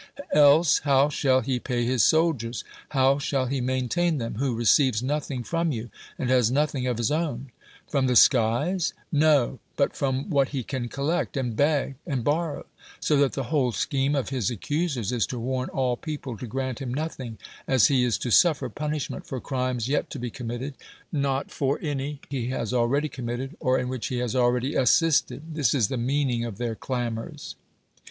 Else how shall he pay his soldiers? how shall he maintain them, who receives nothing from you, and has nothing of his own? From the skies? No; but from what he can collect, and beg, and borrow. So that the whole scheme of his accusers is to w^arn all people to grant hira nothing, as he is to suffer punishment for crimes yet to be committed, not for any he has already committed, or in which lie has already assisted. This is the meaning of their clamors.